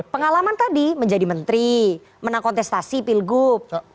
pengalaman tadi menjadi menteri menang kontestasi pilgub